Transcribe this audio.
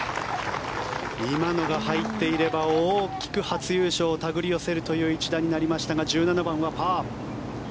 今のが入っていれば大きく初優勝を手繰り寄せるという１打になりましたが１７番はパー。